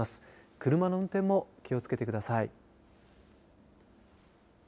車の運転も気を付けてください。